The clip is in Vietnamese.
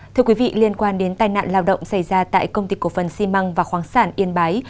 thưa quý vị liên quan đến tai nạn lao động xảy ra tại công ty cổ phần xi măng và khoáng sản yên bái